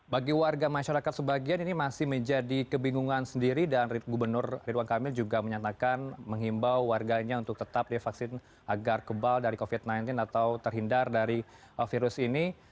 bagi warga masyarakat sebagian ini masih menjadi kebingungan sendiri dan gubernur ridwan kamil juga menyatakan menghimbau warganya untuk tetap divaksin agar kebal dari covid sembilan belas atau terhindar dari virus ini